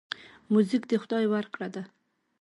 موزیک د خدای ورکړه ده.